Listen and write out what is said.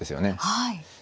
はい。